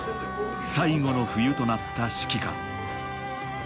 最後の冬となった指揮官。